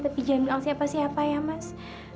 tapi jangan bilang siapa siapa ya mas